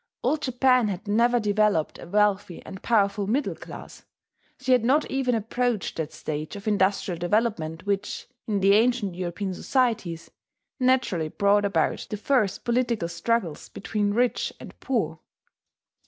Old Japan had never developed a wealthy and powerful middle class: she had not even approached that stage of industrial development which, in the ancient European societies, naturally brought about the first political struggles between rich and poor.